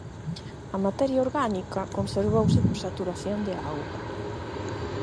A materia orgánica conservouse por saturación de auga.